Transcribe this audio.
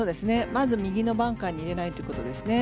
まず右のバンカーに入れないということですね。